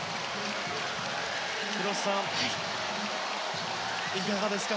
広瀬さん、いかがですか？